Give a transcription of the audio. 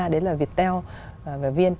đấy là viettel và vnpt